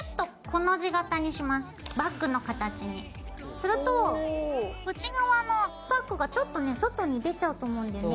すると内側のパックがちょっとね外に出ちゃうと思うんだよね。